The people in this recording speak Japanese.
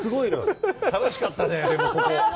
楽しかったね、ここ。